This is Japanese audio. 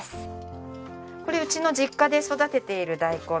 これうちの実家で育てている大根です。